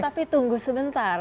tapi tunggu sebentar